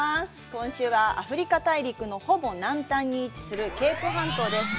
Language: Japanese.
今週はアフリカ大陸のほぼ南端に位置するケープ半島です。